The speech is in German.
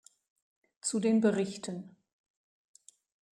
Zu den Berichten.